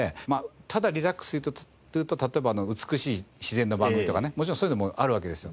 ただリラックスというと例えば美しい自然の番組とかねもちろんそういうのもあるわけですよ。